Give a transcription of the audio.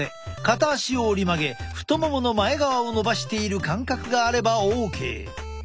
片足を折り曲げ太ももの前側をのばしている感覚があればＯＫ！